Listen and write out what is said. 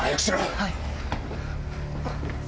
はい。